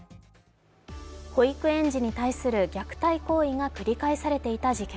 保育園児に対する虐待行為が繰り返されていた事件。